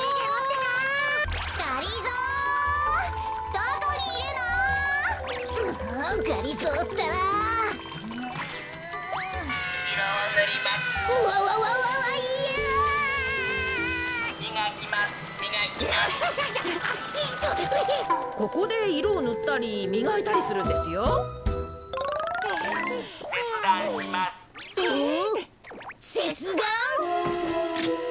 せつだん？